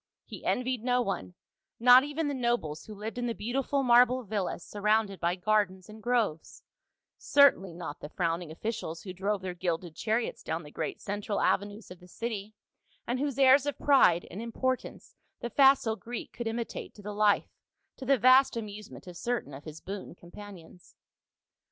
He envied no one, not even the nobles who liv^ed in the beautiful marble villas surrounded by gardens and groves, certainly not the frowning officials who drove their gilded chariots down the great central avenues of the city, and whose airs of pride and im portance the facile Greek could imitate to the life, to the vast amusement of certain of his boon companions.